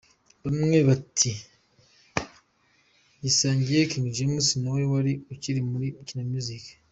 Bamwe bati yisangiye King James nawe wari ukiri muri Kina Music.